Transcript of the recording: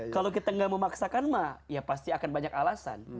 kalau kita nggak memaksakan mah ya pasti akan banyak alasan